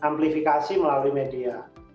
kita amplifikasi melalui media